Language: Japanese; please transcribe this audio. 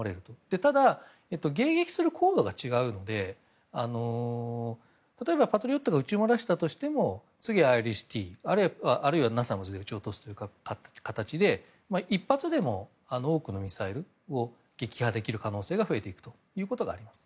ただ迎撃する高度が違うので例えばパトリオットが打ち漏らしたとしてもＩＲＩＳ‐ＴあるいはＮＡＳＡＭＳで撃ち落とすという形で１発でも多くのミサイルを撃破できる可能性が増えていきます。